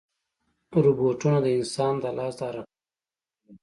روبوټونه د انسان د لاس د حرکت تقلید کوي.